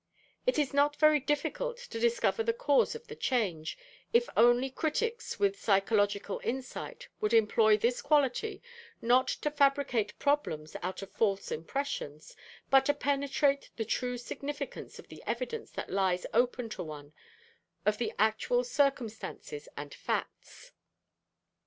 It is not very difficult to discover the cause of the change, if only critics with psychological insight would employ this quality, not to fabricate problems out of false impressions, but to penetrate the true significance of the evidence that lies open to one, of the actual circumstances and facts.